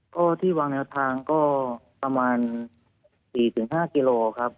ก็ที่วางแนวทางก็ประมาณ๔๕กิโลครับ